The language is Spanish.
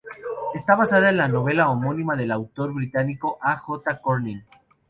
Está basada en la novela homónima del autor británico A. J. Cronin.